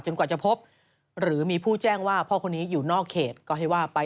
กว่าจะพบหรือมีผู้แจ้งว่าพ่อคนนี้อยู่นอกเขตก็ให้ว่าไป